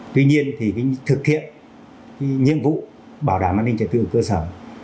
tuy nhiên thì thực hiện nhiệm vụ bảo đảm an ninh trật tự ở cơ sở